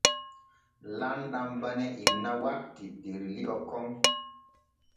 Lamɗam bane inna watti der li’o kon.